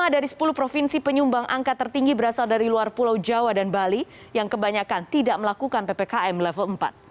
lima dari sepuluh provinsi penyumbang angka tertinggi berasal dari luar pulau jawa dan bali yang kebanyakan tidak melakukan ppkm level empat